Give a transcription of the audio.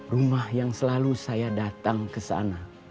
rumah yang selalu saya datang ke sana